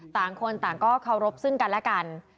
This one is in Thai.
ต่างคนต่างก็เคารพซึ่งกันและกัน